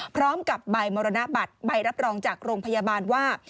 พร้อมกับใบมรณบัตรใบรับรองจากโรงพยาบาลว่า